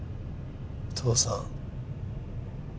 父さん？